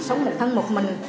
sống một thân một mình